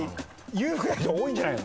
裕福な人多いんじゃないの？